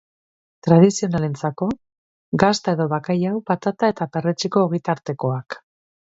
Tradizionalentzako, gazta edo bakailao patata eta perretxiko ogitartekoak.